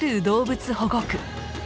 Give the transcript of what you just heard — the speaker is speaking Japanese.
動物保護区。